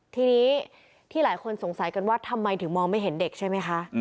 ทีนี้ที่หลายคนสงสัยกันว่าทำไมถึงมองไม่เห็นเด็กใช่ไหมคะ